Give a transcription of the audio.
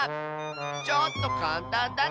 ちょっとかんたんだったかな。